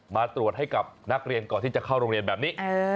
มาตรวจให้กับนักเรียนก่อนที่จะเข้าโรงเรียนแบบนี้